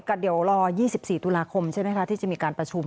ก็เดี๋ยวรอ๒๔ตุลาคมใช่ไหมคะที่จะมีการประชุม